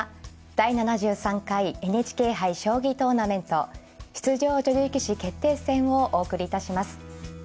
第７３回ＮＨＫ杯将棋トーナメント出場女流棋士決定戦をお送りいたします。